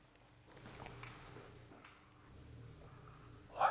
はい。